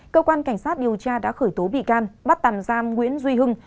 cơ quan cảnh sát điều tra đã khởi tố bị can bắt tạm giam nguyễn duy hưng